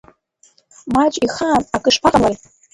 Маџь ихаан акы шԥаҟамлари?